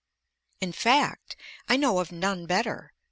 In fact, I know of none better.